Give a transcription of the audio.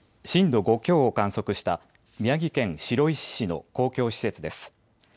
震度５強を観測した宮城県白石市の公共施設です。